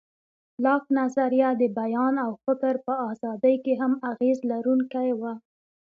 لاک نظریه د بیان او فکر په ازادۍ کې هم اغېز لرونکی و.